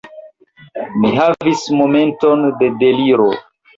Mi havis momenton de deliro.